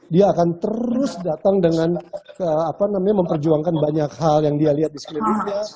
dia akan terus datang dengan memperjuangkan banyak hal yang dia lihat di sekelilingnya